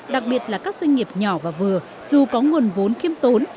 đặc biệt là các doanh nghiệp nhỏ và vừa dù có nguồn vốn khiêm tốn